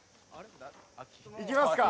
いきますか。